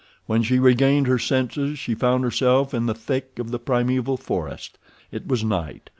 When she regained her senses she found herself in the thick of the primeval forest. It was night.